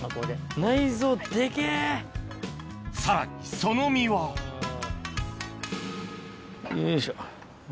さらにその身はよいしょ。